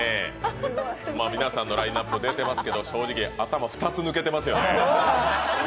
皆さんのラインナップ出てますけど正直頭２つ抜けてますよね。